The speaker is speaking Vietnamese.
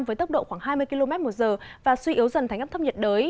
với tốc độ khoảng hai mươi km một giờ và suy yếu dần thành ấp thấp nhiệt đới